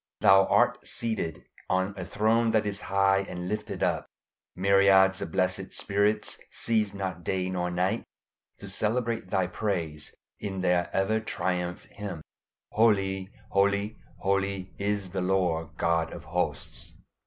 Thou art seated on a throne that is high and lifted up; myriads of blessed spirits cease not day nor night to celebrate Thy praise in their ever triumphant hymn, "Holy, holy, holy, is the Lord God of hosts."